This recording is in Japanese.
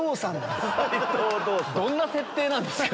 どんな設定なんですか？